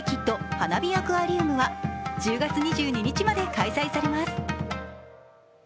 花火アクアリウムは、１０月２２日まで開催されます。